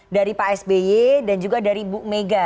dari pak sby dan juga dari bu mega